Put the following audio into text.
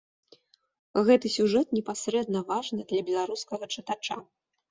Гэты сюжэт непасрэдна важны для беларускага чытача.